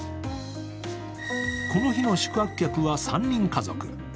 この日の宿泊客は３人家族。